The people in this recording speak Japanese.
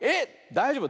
だいじょうぶ。